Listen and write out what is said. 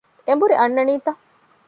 އެނބުރި އަންނަނީތަ؟